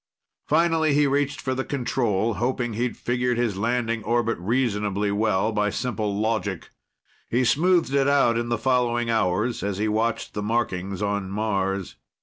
Finally he reached for the control, hoping he'd figured his landing orbit reasonably well by simple logic. He smoothed it out in the following hours as he watched the markings on Mars.